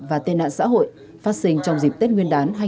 và tên nạn xã hội phát sinh trong dịp tết nguyên đán hai nghìn hai mươi